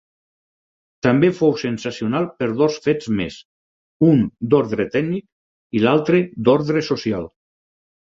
També fou sensacional per dos fets més, un d'ordre tècnic i l'altre d'ordre social.